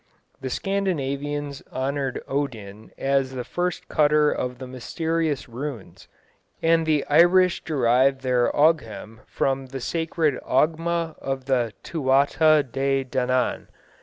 The Scandinavians honoured Odin as the first cutter of the mysterious runes, and the Irish derived their ogham from the sacred Ogma of the Tuatha de Danaan.